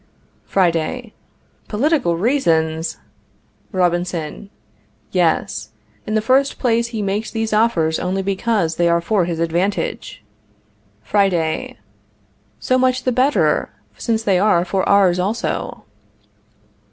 Friday. Political reasons! Robinson. Yes. In the first place he makes these offers only because they are for his advantage. Friday. So much the better, since they are for ours also.